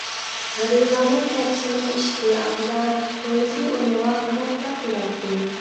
غېرىبانە كەپىسىنىڭ ئىشىكى ئالدىدا مومىسى ئۇنىڭغا قاراپلا تۇراتتى.